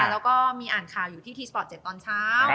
แล้วก็มีอ่านข่าวอยู่ที่ทีสปอร์ต๗ตอนเช้า